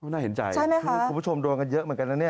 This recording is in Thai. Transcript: น่าเห็นใจคุณผู้ชมโดนกันเยอะเหมือนกันนะเนี่ย